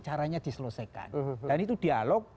caranya diselesaikan dan itu dialog